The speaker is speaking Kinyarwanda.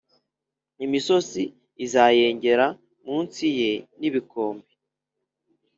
Imisozi izayengera munsi ye n ibikombe